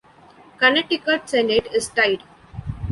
Connecticut Senate is tied.